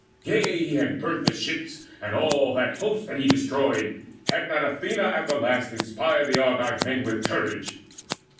Yea, he had burnt The ships, and all that host had he destroyed, Had not Athena at the last inspired The Argive men with courage.